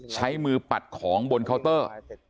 ใช้มือปัดของบนเคาน์เตอร์